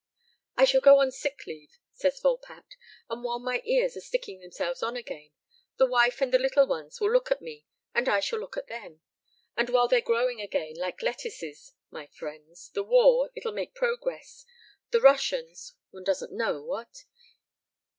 "I shall go on sick leave," says Volpatte, "and while my ears are sticking themselves on again, the wife and the little ones will look at me, and I shall look at them. And while they're growing again like lettuces, my friends, the war, it'll make progress the Russians one doesn't know, what?"